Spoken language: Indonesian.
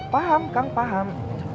paham kang paham